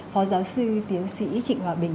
phó giáo sư tiến sĩ trịnh hòa bình